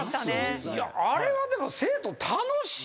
いやあれはでも生徒楽しいよね。